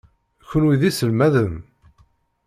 Kenwi d iselmaden?